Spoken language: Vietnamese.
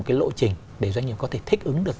cái lộ trình để doanh nghiệp có thể thích ứng được